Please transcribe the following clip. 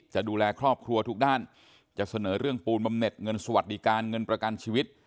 จะดูแลครอบครัวทุกด้านจะเสนอเรื่องปูนบำเน็ตเงินสวัสดิการเงินประกันชีวิต